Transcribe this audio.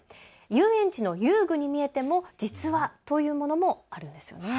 遊園地の遊具に見えても実はというものもあるんです。